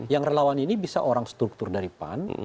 yang relawan ini bisa orang struktur dari pan